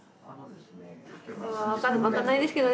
分かんないですけどね